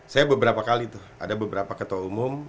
saya beberapa kali tuh ada beberapa ketua umum